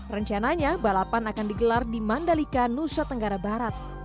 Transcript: rencananya balapan akan digelar di mandalika nusa tenggara barat